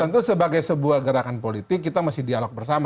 tentu sebagai sebuah gerakan politik kita mesti dialog bersama